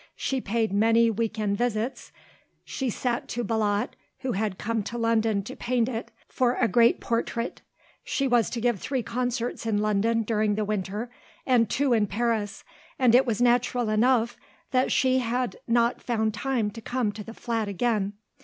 She paid many week end visits; she sat to Belot who had come to London to paint it for a great portrait; she was to give three concerts in London during the winter and two in Paris, and it was natural enough that she had not found time to come to the flat again.